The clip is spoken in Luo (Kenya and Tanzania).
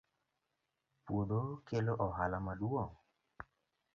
puodho kelo ohala ma duong